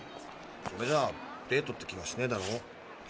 それじゃ「デート」って気がしねえだろ。